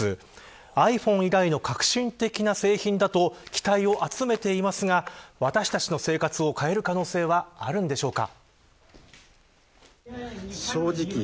ｉＰｈｏｎｅ以来の革新的な製品だと期待を集めていますが私たちの生活を変える可能性はあるんでしょうか。